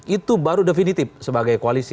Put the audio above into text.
itu baru definitif sebagai koalisi